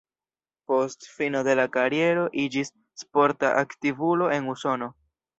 Post fino de la kariero iĝis sporta aktivulo en Usono.